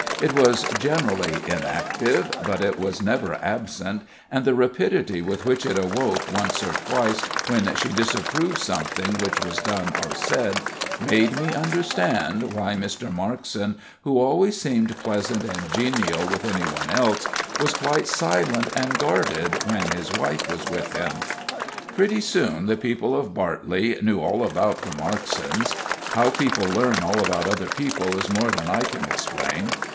It was generally inactive, but it was never absent, and the rapidity with which it awoke once or twice when she disapproved something which was done or said, made me understand why Mr. Markson, who always seemed pleasant and genial with any one else, was quite silent and guarded when his wife was with him. Pretty soon the people of Bartley knew all about the Marksons. How people learn all about other people is more than I can explain.